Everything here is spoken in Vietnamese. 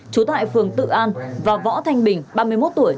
trú tại phường tự an và võ thanh bình ba mươi một tuổi